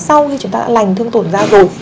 sau khi chúng ta đã lành thương tổn ra rồi